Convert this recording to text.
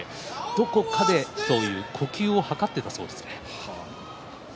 どこかで呼吸を計っていたそうです。